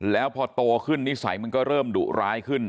แล้วพอโตขึ้นนิสัยมันก็เริ่มดุร้ายขึ้น